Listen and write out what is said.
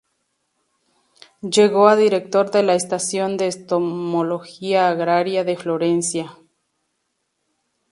Llegó a Director de la Estación de Entomología Agraria de Florencia.